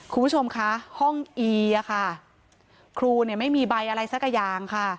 คุณผู้ชมคะห้องอีอ่ะค่ะครูเนี่ยไม่มีใบอะไรสักอย่างค่ะ